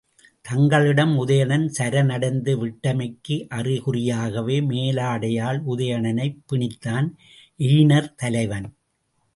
தங்களிடம் உதயணன் சரணடைந்து விட்டமைக்கு அறிகுறியாகவே மேலாடையால் உதயணனைப் பிணித்தான் எயினர் தலைவன்.